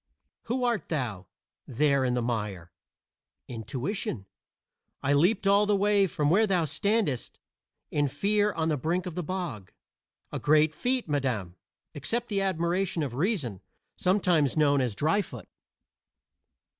"Who art thou, there in the mire?" "Intuition. I leaped all the way from where thou standest in fear on the brink of the bog." "A great feat, madam; accept the admiration of Reason, sometimes known as Dryfoot."